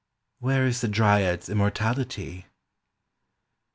Where is the Dryad's immortality?